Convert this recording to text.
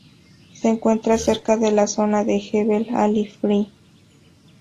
Se encuentra cerca de la zona de Jebel Ali Free.